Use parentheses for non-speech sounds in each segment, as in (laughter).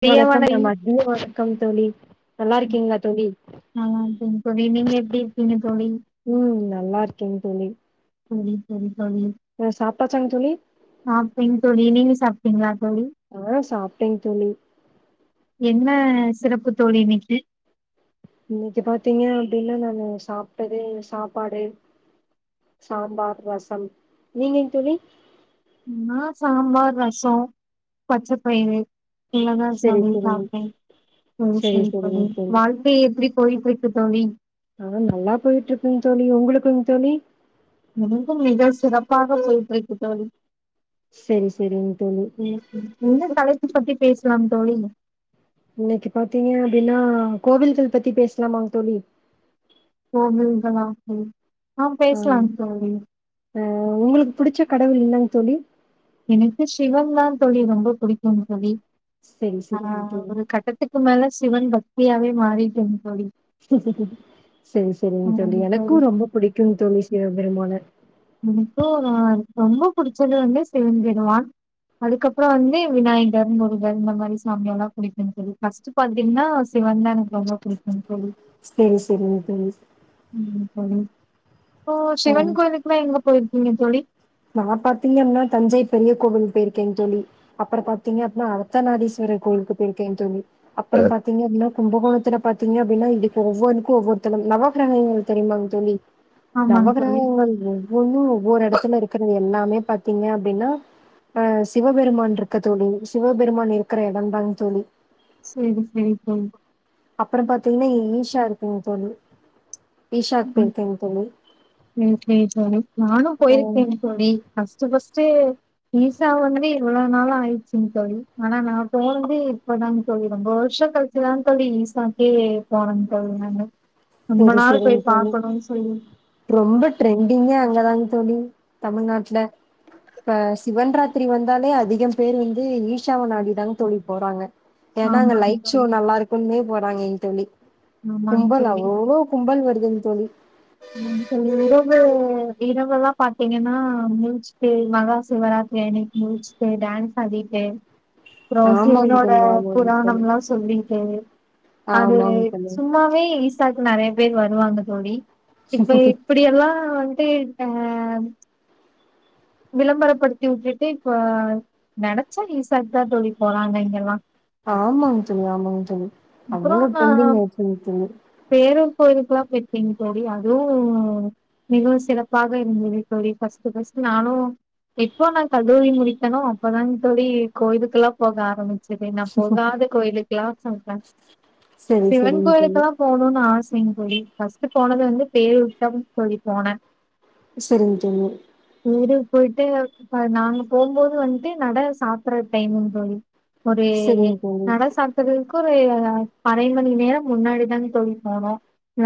ழி பிரிய வணக்கம் நம் (unintelligible) தோழி நல்லா இருக்கீங்களா தோழி ஆஹ் (unintelligible) நீங்க எப்டி இருக்கீங்க தோழி ம் நல்லா இருக்கேன்னு தோழி சரி சரி ஆ ஆ சாப்ட்டாச்சாங்க தோழி சாப்டேன் தோழி நீங்க சாப் (unintelligible) ஆஹ் சாப்பிட்டேங் தோழி என்ன சிறப்பு தோழி (unintelligible) இன்னைக்கு பாத்தீங்க அப்படின்னா நான் சாப்பிட்டது சாப்பாடு சாம்பார் ரசம் நீங்கைங் தோழி ஆ சாம்பார் ரசம் பச்ச பயறு சரி சரிங்க சரி (unintelligible) சரிங்க தோழி வாழ்க்கையை எப்டி (unintelligible) ஆ நல்லா போயிட்ருக்குங் தோழி உங்ளுக்குங் தோழி ரொம்ப மிக சிறப்பாக போய்ட்டு இருக்கு தோழி சரி சரிங்க தோழி உம் (unintelligible) தலைப் பத்தி பேசலாம் தோழி இன்னைக்கு பாத்தீங்க அப்படின்னா கோவில்கள் பத்தி பேசலாமாங் தோழி கோவில்களா ம் ஆஹ் ஆஹ் உங்களுக்கு புடிச்ச கடவுள் என் தோழி எனக்கு சிவன்லாம் த தோழி ரொம்ப பிடிக்கும் தோழி சரி சரிங்க ஆஹ் தோழி ஒரு கட்டத்துக்கு மேல சிவன் பக்தி அவ மாறிக்கு செரி செரிங்க தோழி எனக்கும் ரொம்ப புடிக்கும் தோழி சிவபெருமான் எனக்கு நா ரொம்ப புடிச்சது வந்து சிவன் பெருவான் அதுக்கப்புறம் வந்து விநாயகர் முருகன் இந்த மாதிரி சாமிய எல்லாம் புடிக்கும் தோழி ஃபர்ஸ்ட் பாத்தீங்கன்னா சிவன் தான் எனக்கு ரொம்ப பிடிக்கும்ன்னு தோழி செரி செரிங்க தோழி ஆ ஓ சிவன் கோவிலுக்குல்லாம் எங்க போயிரு நீங்க தோழி நான் பாத்தீங்கனா தஞ்சை பெரிய கோவில் போயிருக்கேன் தோழி அப்புறம் பாத்தீங்க அத்தநாதீஸ்வரர் கோயிலுக்கு போய் இருக்கேன் தோழி அப்புறம் பாத்தீங்கனா கும்பகோணத்துல பாத்தீங்க அப்படின்னா இங்க்கு ஒவ்வொருக்கும் ஒவ்வொருத்தளம் நவகிரகங்கள் தெரியுமாங்க சொல்லி ஆமாங்க தோழி. நவகிரகங்கள் ஒவ்வொன்னும் ஒவ்வொரு இடத்துல இருக்கு தோழி எல்லாமே பாத்தீங்க அப்படின்னா அஹ் சிவபெருமான் இருக்க தோழி சிவபெருமான் இருக்கிற இடம் தாங்க தோழி செரி செரி தோழி அப்புறம் பாத்தீங்கன்னா ஈஷா இருக்குங்கு தோழி விஷாக போயிருக்கேன் தோழி செரி செரி தோழி நானும் ஆ போயிருக்கேன் தோழி ஹஸ்பண்ட் ஸ்ட் ஈசா வந்து இவ்வளவு நாளும் ஆயிடுச்சுன்னு தோழி ஆனா நான் போனது இப்பதான் தோழி ரொம்ப வருஷம் கழிச்சுதான் தோழி ஈசாக்கே போனேன்னு தோழி நானு ரொம்ப சரி நாள் போய் சரிங்க தோழி பாக்கணும்ன்னனு சொல்லி ரொம்ப ட்ரெண்டிங்க அங்க தான்ங்க ம் தமிழ்நாட்ல அ சிவன்ராத்திரி வந்தாலே அதிகம் பேர் வந் ஈஷாவ நாடி தா தோழி போறாங்க ஏனா அங்க ஆமாங்க லைட் ஷோ நல்லா இருக்கு போறாங்க தோழி ஆமாங் தோழி எவ்ளோ கும்பல் வருதுங்க தோழி இரவு இரவெல்லா பாத்தீங்கனா முல்ச்சிட்டு மகா சிவராத்திரி அன்னைக்கு முல்ச்சிட்டு டான்ஸ் ஆடிட்டு அப்றோ ஆமாங்க சிவனோட தோழி ஆமாங்க தோழி புராணம் எல்லா சொல்லி உம் அது ஆமாங்க தோழி சும்மாவே ஈசாக் கு நெறைய பேர் வருவாங்க தோழி இப்ப இப்படி எல்லா எப்டி இருக்காங்க விளம்பரப்படுத்தி உட்டுட்டு இப்ப நெனைச்சா ஈசாக்குதா தோழி போறாங்க இங்கெல்லா ஆமாங்க தோழி ஆமாங்க தோழி அப்றோ அவ்ளோ ட்ரெண்டிங் ஆயிடுச்சுங்க தோழி கோயிலுக்கெல்லா போயிருக்கேங்க தோழி அதுவு மிகவு சிறப்பாக இருந்தது தோழி ஃபஸ்ட்டு ஃபஸ்ட் நானு எப்போ நா கல்லூரி முடித்தனோ அப்பதாங் தோழி கோயுலுக்கெல்லா போக ஆரமிச் சது நா போகாத கோயிலுக்கெல்லா சொல்றே சரி சிவன் சரிங்க தோழி கோயிலுக்கெல்லா போணுனு ஆச செரிங்க தோழி ஃபஸ்ட் போனது வந்து பேரூர்க்குதானுங் தோழி போன செரிங்க தோழி பேரூர் போயிட்டு அது நாங்க போம்போது வன்ட்டு நட சாத்தற டைமுங்க தோழி ஒரு சரிங்க தோழி நட சாத்தறது க்கு ஒரு அரை மணி நேரோ முன்னாடி தாங்க தோழி போனோ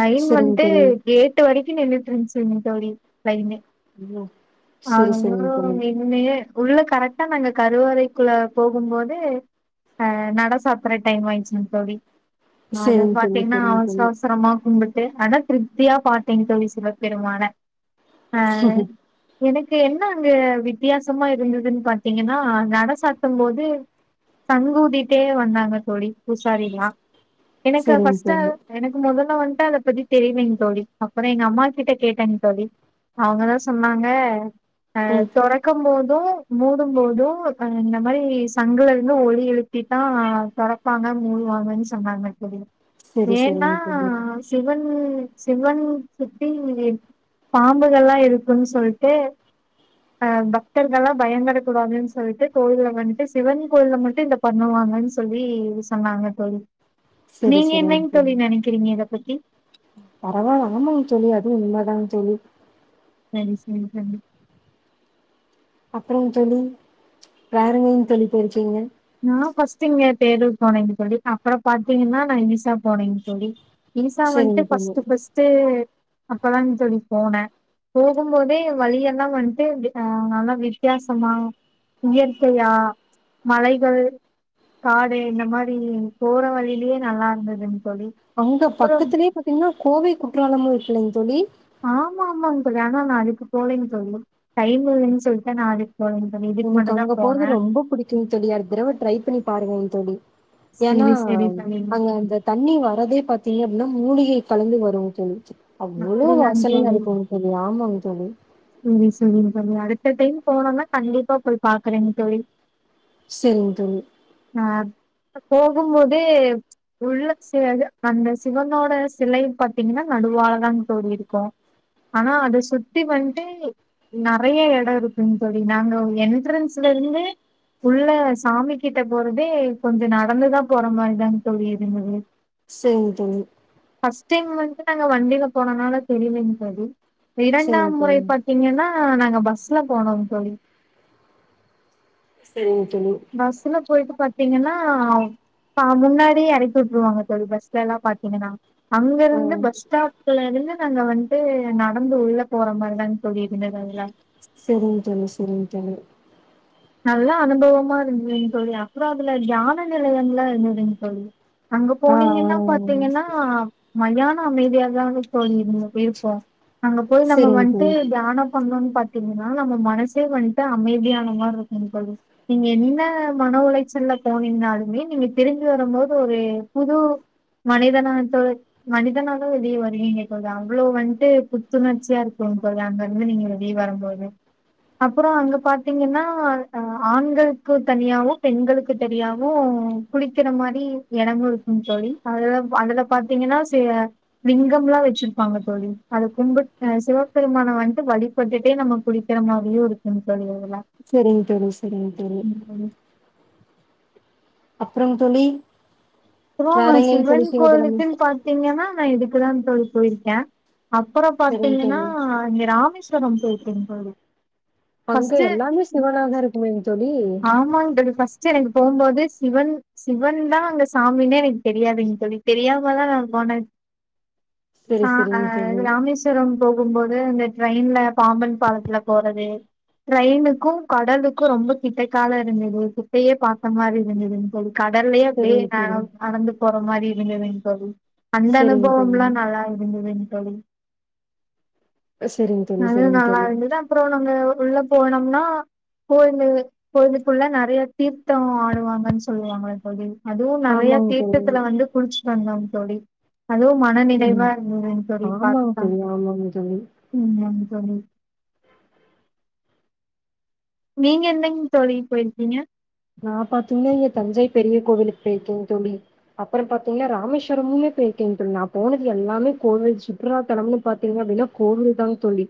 லைன் சரிங்க வன்ட்டு தோழி கேட்டு வரை க்கி நின்னுட்ருந்துச்சுங்க தோழி லைனு ஐயோ அதுவு மின்னயே உள்ள கரெட்டா நாங்க கருவறைக்குள்ள போகும் போது அ நட சாத்தற டைம் ஆயிடுச்சுங்க தோழி அது சரிங்க தோழி பாத்தீங்கன்னா சரிங்க அவசர தோழி அவசரமா கும்பிட் டு ஆனா திருப்தியா பாத்தேங்க தோழி சிவபெருமான ஆ எனக்கு என்ன அங்க வித்தியாசமா இருந்ததுன் பாத்தீங்கன்னா நட சாத்தும் போது சங்கூதிட்டே வந்தாங்க தோழி புசாரிலா எனக்கு சரிங்க ஃபஸ்ட்டா தோழி எனக்கு மொதல் ல வன்ட்டு அத பத்தி தெரியலைங் தோழி அப்புற எங்க அம்மாகிட்ட கேட்டேங்க தோழி அவங்கதா சொன்னா ங்க ஆ ம் தொறக்கம் போ தும் மூடும் போதும் ஆ இந்த மாரி சங்குல இருந்து ஒலி எழுப்பித்தா தொற்பபாங்க மூடுவாங்கன்னு சொன்னாங்க தோழி சரி ஏன்னா சரிங்க தோழி சிவன் சிவன் சுத்தி பாம்புகள்லா இருக்குன்னு சொல்ட்டு அஹ் பக்தர்கள்லா பயந்தறக் கூடாதுன்னு சொல்ட்டு கோயில்ல வந்துட்டு சிவன் கோயில்ல மட்டு இத பண்ணுவாங்கன்னு சொல்லி சொன்னாங்க தோழி சரி நீங்க சரிங்க என்னங்க தோழி நெனைக்கிறீங்க இத பத்தி பரவால்ல ஆமாங்க தோழி அதுவு உண்மதாங்க தோழி சரி சரி தோழி அப்புறங் தோழி வேற எங்கங்க தோழி போயிருக்கீங்க நா ஃபர்ஸ்ட் இங்க பேருர் போனேங்க தோழி அப்புற பாத்தீங்கன்னா நா ஈஷா போனேங்க தோழி ஈஷா வண்ட்டு சரிங்க ஃபஸ்ட் தோழி ஃபஸ்ட்டு அப்பதான்ங்க தோழி போன. போகும் போதே வழியெல்லா வந்துட்டு ஹ நல்லா வித்தியாசமா இயற்கையா மலை. கள் காடு இந்த மாரி போற வழியிலயே நல்லா இருந்தது. அங்க பக்கத்துலயே பாத்தீங்கன்னா கோவை குற்றாலமும் இருக்குதூங்க தோழி. ஆமா ஆமாங்க ஆனா நானு அதுக்கு போகலிங்க தோழி. டைம் இல்லைன்னு சொல்லிட்ட நானு. எனக்கு அங்க போறது ரொம்ப புடிக்குங்க தோழி அடுத்த தடவ. ட்ரை பண்ணி பாருங்களேன் தோழி. ஏன்னா செரி செரி தோழி அங்க அந்த தண்ணி வரதே பாத்தீங்க அப்படின்னா மூலிகை கலந்து வரு தோழி. அவ்ளோ அப்படியாங் வாசனையா இருக்கும் தோழி ஆமாங்க தோ. தோழி. சேரி சேரிங்க தோழி அடுத்த டைம் போனோம்னா கண்டிப்பா போய் பாக்குறேங்க தோழி. சிந்து. போகும்போதே உள்ள ச அந்த சிவனோட சிலை பாத்தீங்கன்னா நடுவழதான் தோழி இருக்கு. ஆனா அத சுத்தி வந்து. து நறைய இடம் இருக்குன்ங்க தோழி நாங்க என்ட்ரன்ஸ்ல இருந்து உள்ள சாமி கிட்ட போறதே கொஞ்சோ நடந்துதா போற மாரிதாங் தோழி இருந்தது. சேரிங்க தோழி. ஃபர்ஸ்ட் வந்து நாங்க வண்டியில போனனால தெரியலங்க தோழி. சரிங்க இரண்டாம் முறை. தோழி ப்பீங்கன்னா நாங்க பஸ்ல போனோம் தோழி. செரிங்க. தோழி பஸ்ல்ல போயிட்டு பாத். தீங்கன்னா முன்னாடி எறக்கி வுட்டுருவாங்க தோழி பஸ்லல்லா பாத்தீங்கன்னா. அங்க ஆ இருந்து பஸ் ஸ்டாப்ல இருந்து. வந்துட்டு நடந்து உள்ள போற மாரிதாங். தோழி இருந்தது அதுல சேரிங்க தோழி சேரிங்க தோழி. நல்ல அனுபவமா. இல்லீங்க தோழி அப்றோ. அதுல தியான நிலயம் எல்லாம் இருந்துங் தோழி. அங்க ஆ ஆ போனீங்கன்னா பாத்தீங்கன்னா. மையான அமைதியாதாங்க தோழி. (unintelligible) அங்க போய் நம்ம செரிங்க வந்துட்டு தோழி தியானம் பண்ணணும்ன்னு பாத். திங்கனா நம்ம மனசே வந்துட்டு அமைதியான மாரி இருக். து நீங்க என்ன மன உளைச்சல்ல போனீங்கனாலுமே நீங்க திரும்பி வரும்போது ஒரு புது மனிதனத்தோட மனிதனால வெளியே வரீங்க கேட்கது அவ்வளோ வந்துட்டு புத்துணர்ச்சியா இருக்குங் தோழி அங்க இருந்து நீங்க வெளியே வரும்போது அப்பறோ அங்க பாத்தீங்கன்னா. அஹ ஆண்களுக்கு தனியாவு பெண்களுக்கு தனியாவு குளிக்கிற மாரி இடமு இருக்குங் தோழி அதுல அதுல பாத்தீங்கன்னா லிங்கம் லா வச்சிருப்பாங்க தோழி. அத கும்பிட்டு சிவபெருமான வந்துட்டு வழிபட்டுட்டே நம்ம குளிக்கர மாரியே இருக்குங்க தோழி அதெல்லா. சேரிங் தோழீஸ். தெரியு தெரியு. அப்பறோங் தோழி. அதா நா வேற எங்கங்க சிவன் தோழி சிவதனம் கோயிலுக்குன்னு பார்த்தீங்கன்னா நான் இதுக்குதான் தோழி போயிருக்கே அப்பறம் செரிங்க பாத்தீங்கன்னா தோழி இங்க ராமேஸ்வரம் போயிற்க தோழி அங்க ஃபர்ஸ்ட்டு எல்லாமே ஆ சிவனா தா இருக்குமேங் தோலி ஆமாங் தோழி ஃபர்ஸ்ட் எனக்கு போம்போது சிவன் சிவன் தான் அங்க சாமினே எனக்கு தெரியாதுங் தோலி தெரியாமாதான் நான் போனேன் ச செரி செரிங்க அஹ் தோழி ராமேஸ்வரம் போகும்போது அந்த ட்ரெயின்ல பாம்பன் பாலத்துல போறது ட்ரெயினுக்கும் கடலுக்கும் ரொம்ப கிட்டைக்கால இருந்தது கிட்டையே பார்த்த மாரி இருந்தது ஒரு கடலயே அப்டே செரிங்க தோழி (unintelligible) மாரியிருந்துங்க தோலி அந்த செரிங்க அனுபவம் தோழி லா நல்லா இருந்ததுன்னு தோழி செரிங்க தோழி அது செரிங்க நல்லா தோழி இருந்தது அப்பறோ நம்ம உள்ள போனம்னா போறது போறதுக்குள்ள நறைய தீர்த்தோ ஆடுவாங்கன்னு சொல்லுவாங்கல தோலி அதுவும் நிறைய ஆமாங்க தோழி தீர்தத்துல வந்து குளிச்ட்டு வந்தோ தோலி அதுவும் மனநிறைவா ம் இருந்தது தோலி ஆமாங்க பாக்க தோழி ஆமாங்க தோழி ம் தோழி நீங்க எந்தங்கு தோழி போயிருக்கீங்க நான் பாத்தீங்கன்ன இங்க தஞ்சை பெரிய கோவிலுக்கு போயிருக்கேங் தோழி அப்பறொ பாத்தீங்கன்னா ராமேஸ்வரமுமே போயிருக்கேங் தோழி நான் போனது எல்லாமே கோவில் சுற்றுலா தலம்னு பார்த்தீங்கன்னா கோவில் தான் தோழி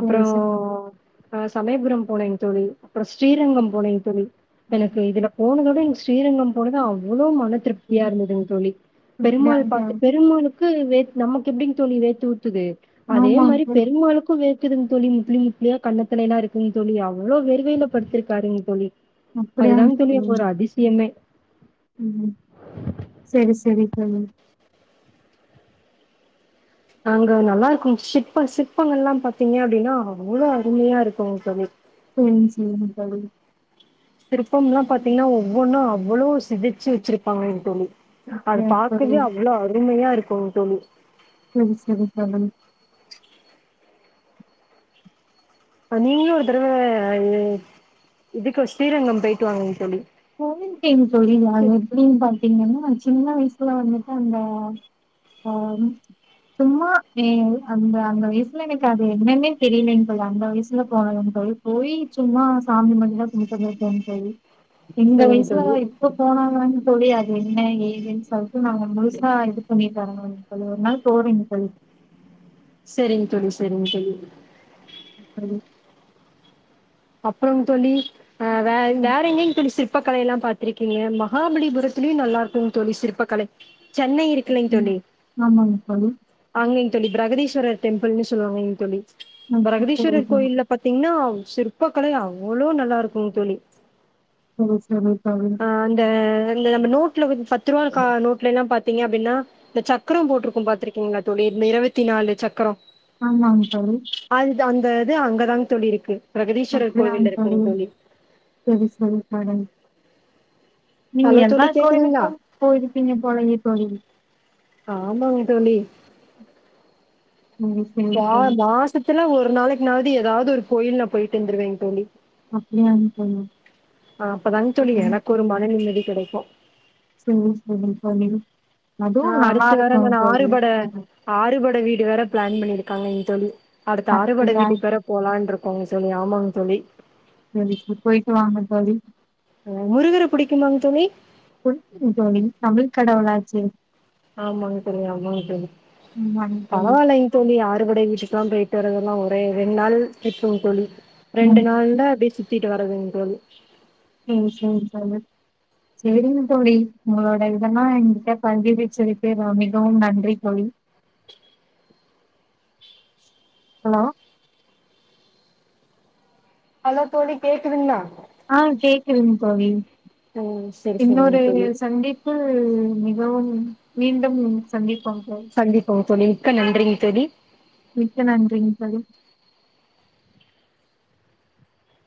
அப்புறம் ஆஹ் சமயபுரம் போனேங்க தோழி அப்புறம் ஸ்ரீரங்கம் போனேங் தோழி எனக்கு இதுல போனத ம் ஸ்ரீரங்கம் அவ்வளோ மன திருப்தியா இருந்ததுன்னு தோழி பெருமாள் அப்படியாங் பாத்த தோழி பெருமாளுக்கு வே நமக்கு எப்படிங் தோழி வேர்த்து ஊத் துது அதே ஆமாங் மாரி தோழி பெருமாளுக்கும் வேர் து தோழி முப்ளி முப்பளியா கண்ணத்தலல்லாம் இருக்கு தோழி அவ்வளவு வேர்வையில படுத்திருக்காருங் தோழி அதுதான் தோழி அப்ப ஒரு அதிசயமே ம் சரி சரி தோழி அங்க நல்லா இருக்கும் சிற்ப சிற்பங்கள்லா பாத்தீங்க அப்டின்னா அவ்ளோ அருமையா இருக்குங் தோழி செரிங் செரிங்க தோழி சிற்பம் எல்லா பாத்தீங்கன்னா ஒவ்வொன்னு அவ்ளோ செதுச்சு வச்சிருப்பாங்கங் தோழி அத அப்படியா பாக்கவே தோழி அவ்ளோ அருமையா இரு கும் தோழி செரி செரி தோழி அ நீங்களு ஒரு தடவ அ இதுக்கு ஸ்ரீரங்கம் போயிட்டு வாங்கங் தோழி போயிருக்கேங் தோழி நா சரி, எப்டினு பாத்தீங்கனா சின்ன வயசுல வந்துட்டு அந்த ஆஹ் சும்மா மே அந்த அந்த வயசுல எனக்கு அது என்னன்னே தெரியலைங்க தோழி அந்த வயசுல போனது அந்த கோயில் போயி சும்மா சாமி முன்னாடியெல்லா கும்புட்டு வந்திருக்கே தோழி இந்த சரிங்க வயசுல தோழி. இப்ப போனாதான தோழி அது என்ன ஏதுன்னு சொ (unintelligible) நாங்க முழுசா இது பண்ணிட்டு (unintelligible) அப்ப ஒரு நாள் போவீங்க தோழி சரிங்க தோழி சரிங்க தோழி (unintelligible) அப்பறங் தோழி ஆஹ் வே வேற எங்கயிங் தோழி சி ற்பக்கலை எல்லா பாத்திருக்கீங்க மகாபலிபுரத்திலயு நல்லா இருக்குங் தோழி சிற்பக்கலை சென்னை இருக்குல்லைங்க உம் தோழி ம் ஆமாங்க தோழி அங்கேங்க தோழி பிரகதீஸ்வரர் டெம்பிள்னு சொல்லுவாங்கங் தோழி ம், சரி பிரகதீஸ்வர் தோழி. கோயில்ல பாத்திங்கன்னா சிற் பக்கலை அவ்ளோ நல்லா இருக்குங் தோழி ம் செரி தோழி இல்ல நம்ம நோ ட்ல பத்து ரூபா கா நோட்லல்லா பாத் தீங்க அப்டின்னா இந்த சக்கரம் போட்ருக்கும் பாத்திருக்கீங்களா தோழி இந்த இருபத்தி நாலு சக்கரோ ஆமாங் தோழி த இது அங்கதாங் தோழி இருக்கு பிரகதீஸ்வரர் அப்படியாங்க கோவில்ல தோழி இருக்குங்க செரி செரி தோழி நீங்க ஹலோ எல்லா தோழி கேக்குதுங்களா கோயிலுக்கும் போயிருப்பீங்க போலயே தோழி ஆமாங்க தோழி ம் செரி செரி துல ஒரு நாளைக்குனாவது ஏதாவது ஒரு கோயில் நா போயிட்டு வந்துருவேங் தோழி அப்படியாங்க தோழி ஆஹ் அப்பதாங்க தோழி ம், எனக்கு ஒரு மன நிம்மதி கிடைக்கு சரி சரி தோலி அடுத்து வர நா ஆறுபட ம், ஆறுபட வீட் ஐந்து வேற பிளான் பண்ணிருக்காங்க தோலி அடுத்த ஆறுபட அப்படியா வீட்டுக்கு வேற போலான்றுக்கு (unintelligible) தோலி ஆமாங்க தோலி செரி போய்ட்டு வாங்க தோலி முருகர புடிக்குமாங்க தோலி புடிக்குங்க தோழி தமிழ் கடவுளாச்சே ஆமாங்க தோலி ஆமாங்க தோலி ஆமாங்க தோழி பரவாலைங்க தோலி அறுபடை வீட்டுக்குல்லாம் போயிட்டு வரனும்னா ஒரே ரெண்டு நாள் திதுவும் தோலி ரெண்டு ம் நாள்ல பீச் சுத்திட்டு வரனுங்க தோலி சரி சரி தோலி சரிங்க தோலி உங்களோட இதெல்லாம் எங்கிட்ட பதிவிச்சதுக்கு மிகவும் நன்றி தோழி ஹலோ ஹலோ தோழி கேக்குதுங்களா ஆஹ் கேட்குதுங்க தோழி ம் சரி இன்னொரு சரிங்க தோழி சந்திப்பு மிகவும் மீண்டும் சந்திப் சந்திப்போம் தோலி மிக்க நன்றிங்க தோலி மிக்க நன்றிங்க தோலி